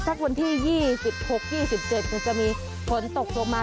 สักวันที่๒๖๒๗จะมีฝนตกลงมา